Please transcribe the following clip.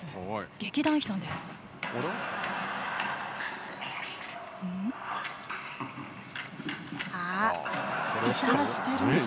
劇団ひとりさんです。